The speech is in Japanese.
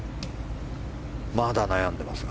まだ悩んでいますか。